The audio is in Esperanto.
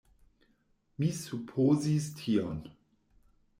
Mi supozis tion.